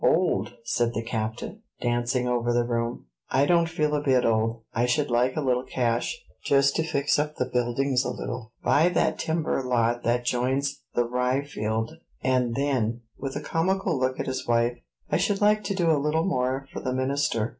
"Old!" said the captain, dancing over the room; "I don't feel a bit old. I should like a little cash, just to fix up the buildings a little, buy that timber lot that joins the rye field; and then" with a comical look at his wife "I should like to do a little more for the minister.